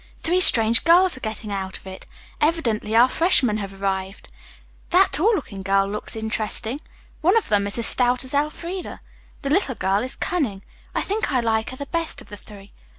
"Three strange girls are getting out of it. Evidently our freshmen have arrived. That tall girl looks interesting. One of them is as stout as Elfreda. The little girl is cunning. I think I like her the best of the three.